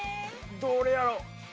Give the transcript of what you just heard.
どれやろ？